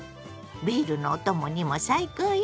ビールのお供にも最高よ。